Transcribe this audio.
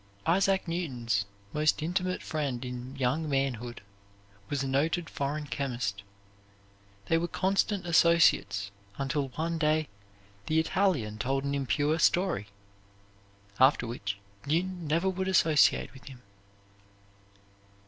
Isaac Newton's most intimate friend in young manhood was a noted foreign chemist. They were constant associates until one day the Italian told an impure story, after which Newton never would associate with him.